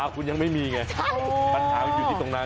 คุณยังไม่มีไงปัญหามันอยู่ที่ตรงนั้น